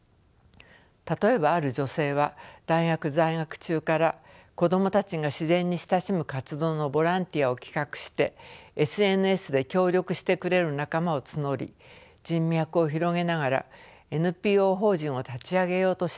例えばある女性は大学在学中から子供たちが自然に親しむ活動のボランティアを企画してＳＮＳで協力してくれる仲間を募り人脈を広げながらＮＰＯ法人を立ち上げようとしています。